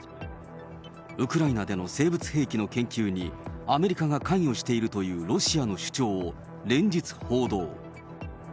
ウクライナでの生物兵器の研究に、アメリカが関与しているというロシアの主張を連日報道。